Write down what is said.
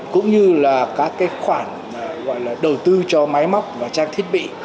cũng như là các cái khoản gọi là đầu tư cho máy móc và trang thiết bị